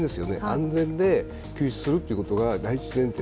安全で、救出するということが第一前提。